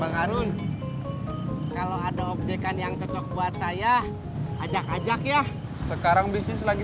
bang harun kalau ada objekan yang cocok buat saya ajak ajak ya sekarang bisnis lagi